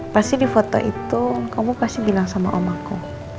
pasti di foto itu kamu pasti bilang sama om aku